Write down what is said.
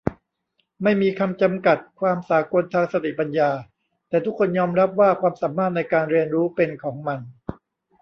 ไม่มีคำจำกัดความสากลทางสติปัญญา แต่ทุกคนยอมรับว่าความสามารถในการเรียนรู้เป็นของมัน